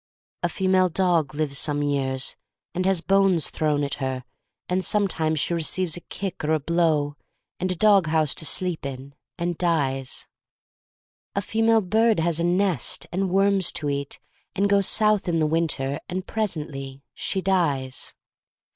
A female dog lives some years, and has bones thrown at her, and sometimes she receives a kick or a blov^, and a dog house to sleep in, and dies. A female bird has a nest, and worms to eat, and goes south in the winter, and presently she dies.